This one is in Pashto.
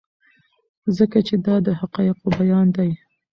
ځکه چې دا د حقایقو بیان دی.